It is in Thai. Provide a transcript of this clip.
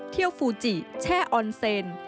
เที่ยวฟูจิแช่ออนเซน